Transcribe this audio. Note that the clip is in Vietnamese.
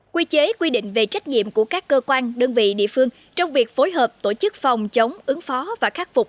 quy chế quy định về trách nhiệm của các cơ quan đơn vị địa phương trong việc phối hợp tổ chức phòng chống ứng phó và khắc phục